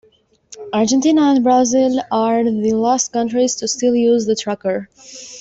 Argentina and Brazil are the last countries to still use the Tracker.